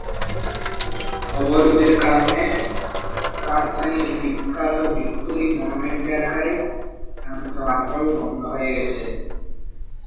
অবরোধের কারণে রাজধানীর বিখ্যাত ভিক্টরি মনুমেন্ট এলাকায় যান চলাচল বন্ধ হয়ে গেছে।